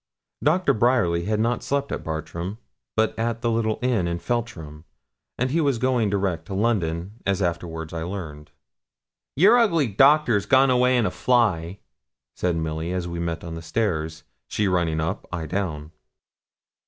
Doctor Bryerly had not slept at Bartram, but at the little inn in Feltram, and he was going direct to London, as I afterwards learned. 'Your ugly doctor's gone away in a fly,' said Milly, as we met on the stairs, she running up, I down.